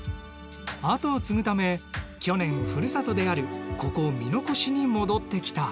後を継ぐため去年ふるさとであるここ見ノ越に戻ってきた。